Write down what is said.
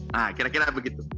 nah kira kira begitu